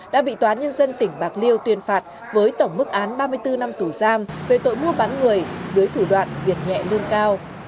đã bị tòa án nhân dân tỉnh bạc liêu tuyên phạt với tổng mức án ba mươi bốn năm tù giam về tội mua bán người dưới thủ đoạn việc nhẹ lương cao